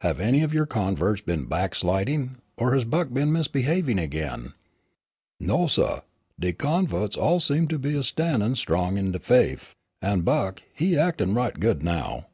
Have any of your converts been backsliding, or has Buck been misbehaving again?" "No, suh, de converts all seem to be stan'in' strong in de faif, and Buck, he actin' right good now."